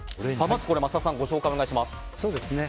桝田さん、ご紹介お願いします。